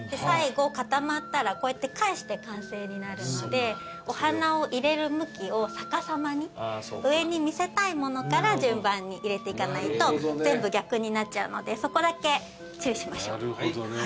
最後固まったらこうやって返して完成になるのでお花を入れる向きを逆さまに上に見せたいものから順番に入れていかないと全部逆になっちゃうのでそこだけ注意しましょう。